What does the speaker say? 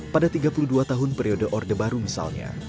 pada tiga puluh dua tahun periode orde baru misalnya